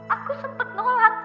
aku sempet ngelak